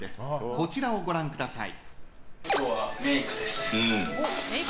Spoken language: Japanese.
こちらをご覧ください。